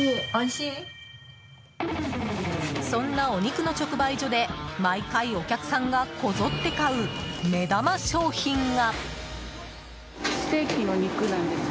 そんなお肉の直売所で毎回、お客さんがこぞって買う目玉商品が。